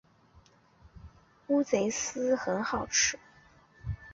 乌贼丝很好吃